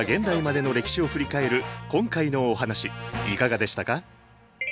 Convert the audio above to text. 今回のお話いかがでしたか？